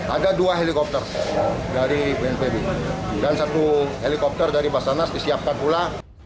ada dua helikopter dari bnpb dan satu helikopter dari basarnas disiapkan pula